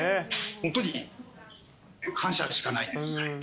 本当に感謝しかないです。